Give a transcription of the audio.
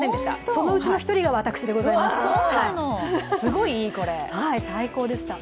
そのうちの１人が私でございます最高でした。